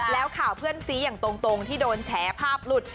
แล้วข่าวเพื่อนซีอย่างตรงที่โดนแฉภาพหลุด